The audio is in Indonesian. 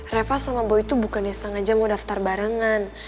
reva sama boy itu bukannya sengaja mau daftar barengan